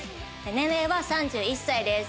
年齢は３１歳です。